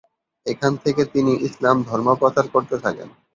এখান থেকে তিনি ইসলাম ধর্ম প্রচার করতে থাকেন।